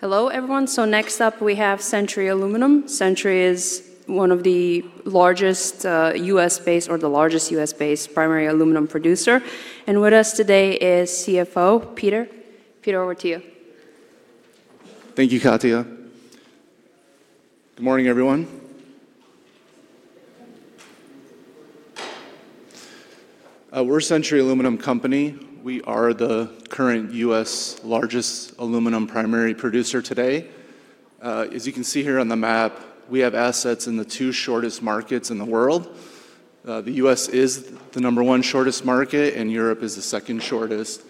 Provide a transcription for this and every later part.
Hello, everyone. Next up, we have Century Aluminum. Century is one of the largest U.S.-based or the largest U.S.-based primary aluminum producer. With us today is CFO, Peter. Peter, over to you. Thank you, Katya. Good morning, everyone. We're Century Aluminum Company. We are the current U.S. largest aluminum primary producer today. As you can see here on the map, we have assets in the two shortest markets in the world. The U.S. is the number 1 shortest market. Europe is the second shortest.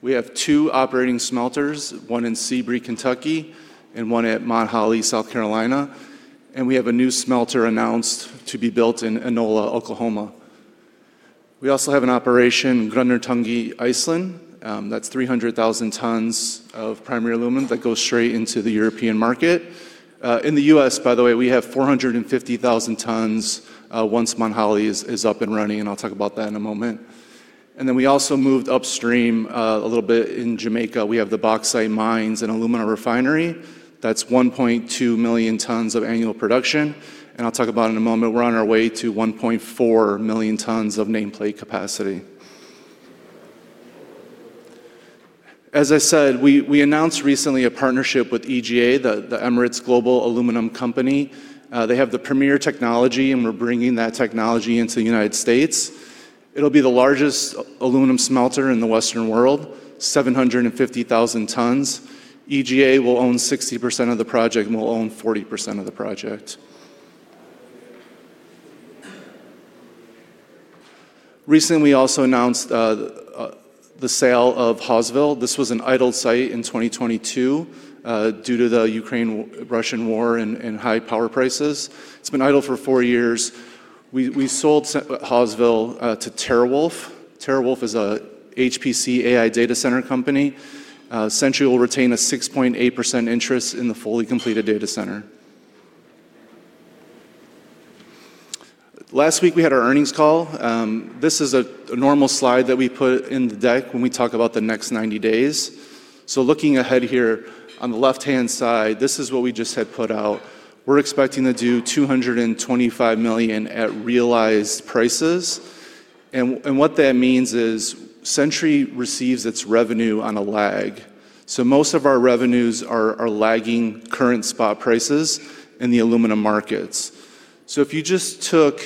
We have two operating smelters, one in Sebree, Kentucky, and one at Mount Holly, South Carolina. We have a new smelter announced to be built in Inola, Oklahoma. We also have an operation, Grundartangi, Iceland, that's 300,000 tons of primary aluminum that goes straight into the European market. In the U.S., by the way, we have 450,000 tons once Mount Holly is up and running. I'll talk about that in a moment. We also moved upstream a little bit in Jamaica. We have the bauxite mines and alumina refinery. That's 1.2 million tons of annual production, and I'll talk about in a moment. We're on our way to 1.4 million tons of nameplate capacity. As I said, we announced recently a partnership with EGA, the Emirates Global Aluminium. They have the premier technology, and we're bringing that technology into the United States. It'll be the largest aluminum smelter in the Western world, 750,000 tons. EGA will own 60% of the project, and we'll own 40% of the project. Recently, we also announced the sale of Hawesville. This was an idle site in 2022 due to the Ukraine-Russian war and high power prices. It's been idle for four years. We sold Hawesville to TeraWulf. TeraWulf is a HPC AI data center company. Century will retain a 6.8% interest in the fully completed data center. Last week, we had our earnings call. This is a normal slide that we put in the deck when we talk about the next 90 days. Looking ahead here, on the left-hand side, this is what we just had put out. We're expecting to do $225 million at realized prices. What that means is Century receives its revenue on a lag. Most of our revenues are lagging current spot prices in the aluminum markets. If you just took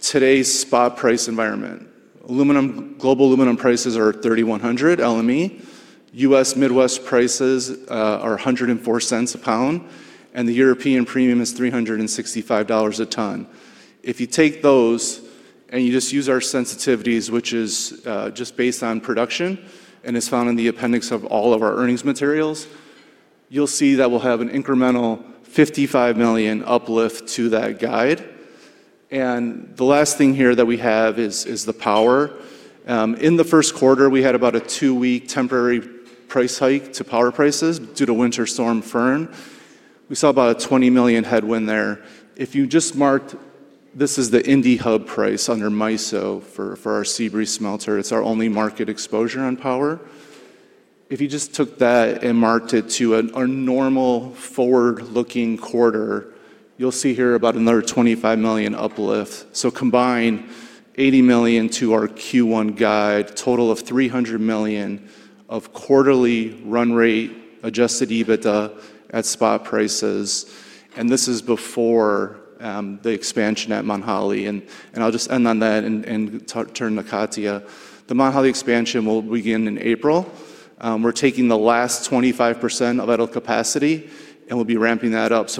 today's spot price environment, global aluminum prices are $3,100, LME. US Midwest prices are $1.04 a pound. The European premium is $365 a ton. If you take those, you just use our sensitivities, which is just based on production and is found in the appendix of all of our earnings materials, you'll see that we'll have an incremental $55 million uplift to that guide. The last thing here that we have is the power. In the first quarter, we had about a two-week temporary price hike to power prices due to Winter Storm Finn. We saw about a $20 million headwind there. This is the Indy Hub price under MISO for our Sebree smelter. It's our only market exposure on power. If you just took that and marked it to a normal forward-looking quarter, you'll see here about another $25 million uplift. Combine $80 million to our Q1 guide, total of $300 million of quarterly run rate, adjusted EBITDA at spot prices, and this is before the expansion at Mont Holly, and I'll just end on that and turn to Katya. The Mont Holly expansion will begin in April. We're taking the last 25% of idle capacity, and we'll be ramping that up.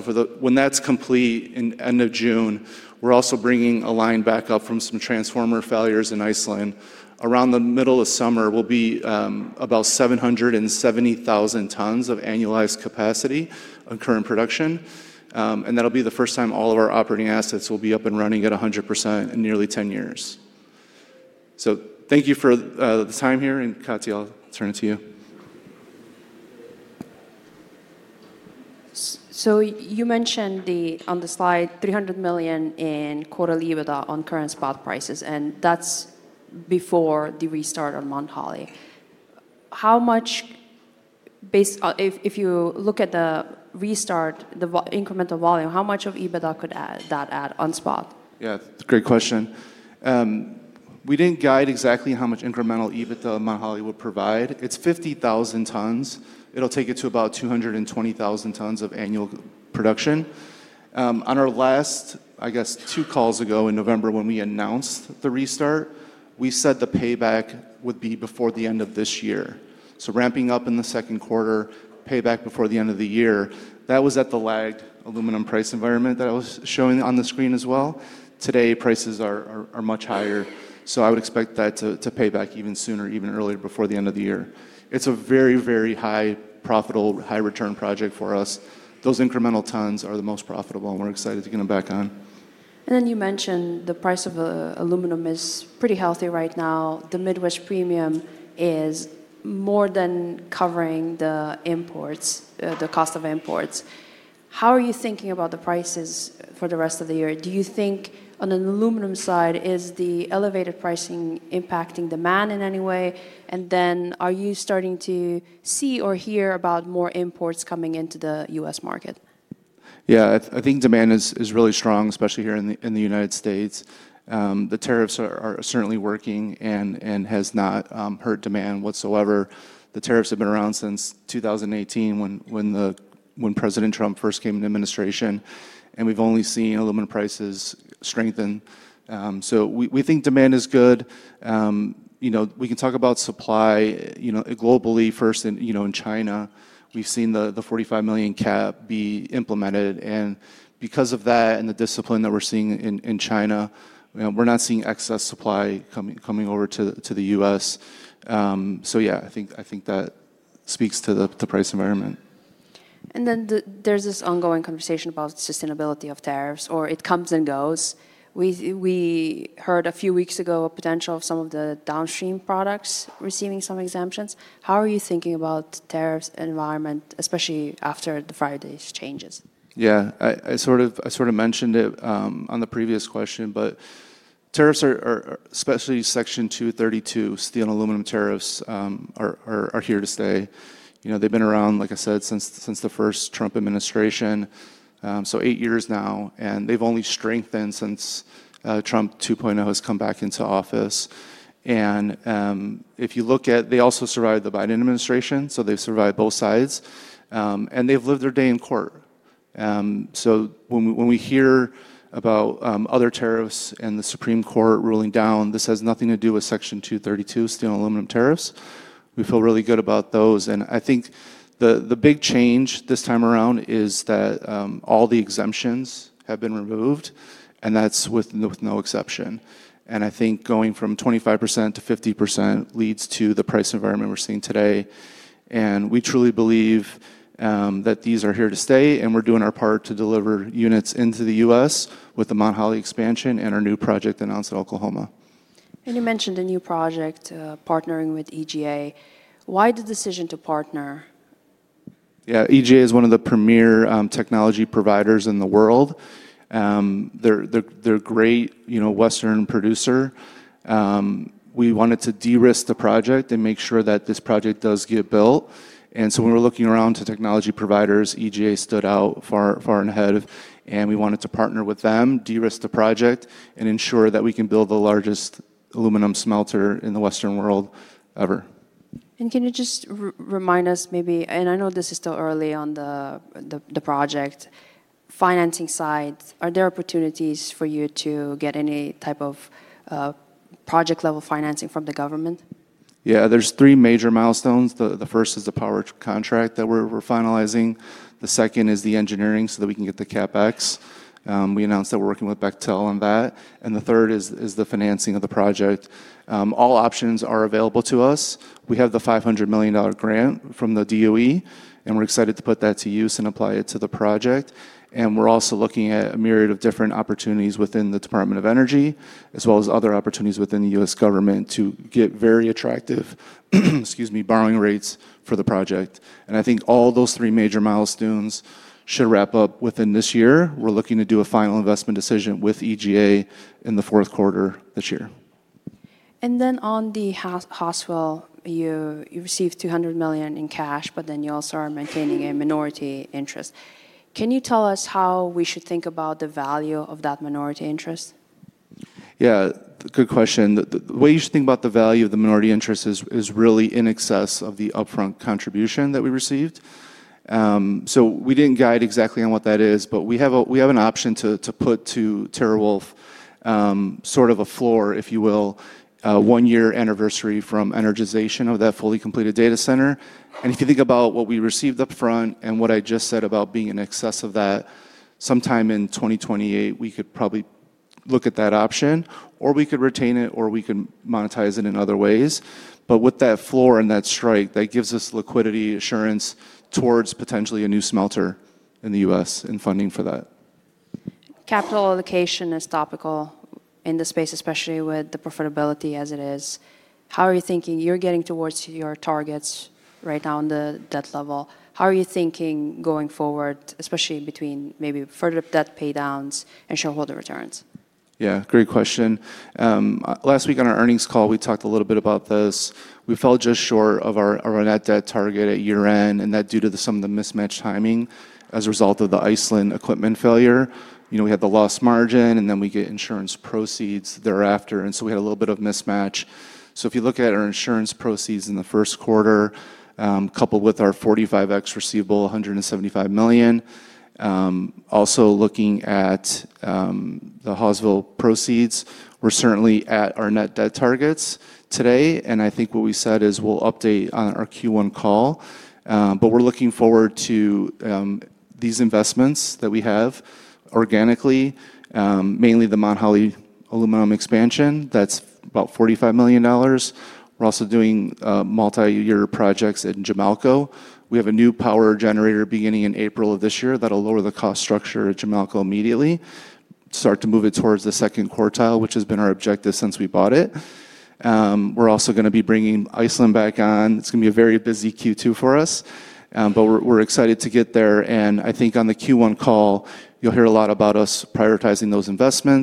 When that's complete in end of June, we're also bringing a line back up from some transformer failures in Iceland. Around the middle of summer, we'll be about 770,000 tons of annualized capacity on current production, that'll be the first time all of our operating assets will be up and running at 100% in nearly 10 years. Thank you for the time here, and, Katya, I'll turn it to you. You mentioned the, on the slide, $300 million in quarterly EBITDA on current spot prices, and that's before the restart on Mount Holly. How much, based if you look at the restart, the incremental volume, how much of EBITDA could add, that add on spot? Yeah, it's a great question. We didn't guide exactly how much incremental EBITDA Mount Holly would provide. It's 50,000 tons. It'll take it to about 220,000 tons of annual production. On our last, I guess, 2 calls ago in November, when we announced the restart, we said the payback would be before the end of this year. Ramping up in the second quarter, payback before the end of the year, that was at the lagged aluminum price environment that I was showing on the screen as well. Today, prices are much higher. I would expect that to pay back even sooner, even earlier, before the end of the year. It's a very, very high profitable, high-return project for us. Those incremental tons are the most profitable, and we're excited to get them back on. You mentioned the price of aluminum is pretty healthy right now. The Midwest premium is more than covering the imports, the cost of imports. How are you thinking about the prices for the rest of the year? Do you think on an aluminum side, is the elevated pricing impacting demand in any way? Are you starting to see or hear about more imports coming into the U.S. market? I think demand is really strong, especially here in the United States. The tariffs are certainly working and has not hurt demand whatsoever. The tariffs have been around since 2018, when President Trump first came into administration, and we've only seen aluminum prices strengthen. We think demand is good. You know, we can talk about supply, you know, globally first and, you know, in China, we've seen the 45 million cap be implemented, and because of that and the discipline that we're seeing in China, you know, we're not seeing excess supply coming over to the U.S. I think that speaks to the price environment. There's this ongoing conversation about sustainability of tariffs, or it comes and goes. We heard a few weeks ago, a potential of some of the downstream products receiving some exemptions. How are you thinking about tariffs environment, especially after the Friday's changes? Yeah. I sort of mentioned it, on the previous question, but tariffs are, especially Section 232, steel and aluminum tariffs, are here to stay. You know, they've been around, like I said, since the first Trump administration, so 8 years now, and they've only strengthened since Trump 2.0 has come back into office. They also survived the Biden administration, so they've survived both sides, and they've lived their day in court. When we hear about other tariffs and the Supreme Court ruling down, this has nothing to do with Section 232, steel and aluminum tariffs. We feel really good about those. I think the big change this time around is that all the exemptions have been removed, and that's with no exception. I think going from 25% to 50% leads to the price environment we're seeing today. We truly believe that these are here to stay, and we're doing our part to deliver units into the U.S. with the Mount Holly expansion and our new project announced in Oklahoma. You mentioned a new project, partnering with EGA. Why the decision to partner? Yeah, EGA is one of the premier technology providers in the world. They're a great, you know, Western producer. We wanted to de-risk the project and make sure that this project does get built. When we were looking around to technology providers, EGA stood out far, far ahead, and we wanted to partner with them, de-risk the project, and ensure that we can build the largest aluminum smelter in the Western world ever. Can you just remind us, maybe, and I know this is still early on the project, financing side, are there opportunities for you to get any type of project-level financing from the government? Yeah, there's 3 major milestones. The first is the power contract that we're finalizing. The second is the engineering so that we can get the CapEx. We announced that we're working with Bechtel on that. The third is the financing of the project. All options are available to us. We have the $500 million grant from the DOE, and we're excited to put that to use and apply it to the project. We're also looking at a myriad of different opportunities within the Department of Energy, as well as other opportunities within the U.S. government to get very attractive, excuse me, borrowing rates for the project. I think all those 3 major milestones should wrap up within this year. We're looking to do a final investment decision with EGA in the fourth quarter this year. On the Hawesville, you received $200 million in cash, but then you also are maintaining a minority interest. Can you tell us how we should think about the value of that minority interest? Yeah, good question. The way you should think about the value of the minority interest is really in excess of the upfront contribution that we received. We didn't guide exactly on what that is, but we have an option to put to TeraWulf, sort of a floor, if you will, one year anniversary from energization of that fully completed data center. If you think about what we received upfront and what I just said about being in excess of that, sometime in 2028, we could probably look at that option, or we could retain it, or we can monetize it in other ways. With that floor and that strike, that gives us liquidity assurance towards potentially a new smelter in the US and funding for that. Capital allocation is topical in this space, especially with the profitability as it is. How are you thinking you're getting towards your targets right now on the debt level? How are you thinking going forward, especially between maybe further debt paydowns and shareholder returns? Yeah, great question. Last week on our earnings call, we talked a little bit about this. We fell just short of our net debt target at year-end, and that due to some of the mismatched timing as a result of the Iceland equipment failure. You know, we had the lost margin, and then we get insurance proceeds thereafter, and so we had a little bit of mismatch. If you look at our insurance proceeds in the first quarter, coupled with our Section 45X receivable, $175 million, also looking at the Hawesville proceeds, we're certainly at our net debt targets today, I think what we said is we'll update on our Q1 call. We're looking forward to these investments that we have organically, mainly the Mount Holly aluminum expansion. That's about $45 million. We're also doing multi-year projects at Jamalco. We have a new power generator beginning in April of this year that'll lower the cost structure at Jamalco immediately, start to move it towards the second quartile, which has been our objective since we bought it. We're also gonna be bringing Iceland back on. It's gonna be a very busy Q2 for us. We're excited to get there, and I think on the Q1 call, you'll hear a lot about us prioritizing those investments.